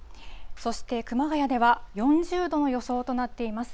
そして熊谷では４０度の予想となっています。